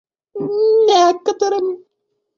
некоторым